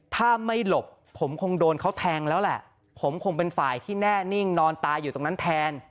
ถ้าไม่หลบผมคงโดนเขาแทงแล้วแหละผมคงเป็นฝ่ายที่แน่นิ่งนอนตายอยู่ตรงนั้นแทน